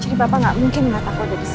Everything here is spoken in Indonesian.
jadi papa gak mungkin ngeliat aku ada disini